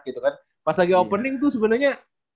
gitu kan pas lagi opening tuh sebenernya